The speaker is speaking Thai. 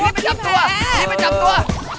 รีบไปจับตัว